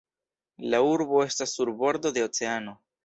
La urbo estas sur bordo de oceano.